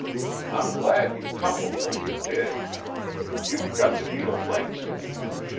I'm glad you tumbled where you did. You've got to beat a lynx to beat Couchée.